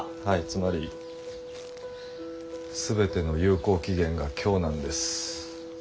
はいつまり全ての有効期限が今日なんです。